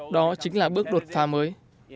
đó chính là bước đột phá mới